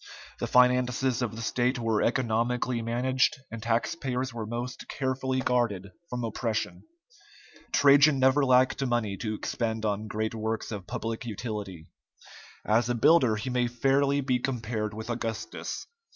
The finances of the state were economically managed, and taxpayers were most carefully guarded from oppression. Trajan never lacked money to expend on great works of public utility; as a builder, he may fairly be compared with Augustus.